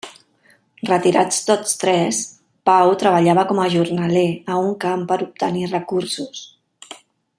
Retirats tots tres, Pau treballava com a jornaler a un camp per obtenir recursos.